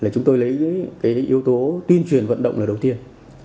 chúng tôi lấy cái yếu tố tuyên truyền vận động là đầu tiên